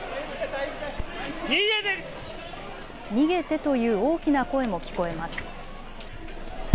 逃げてという大きな声も聞こえます。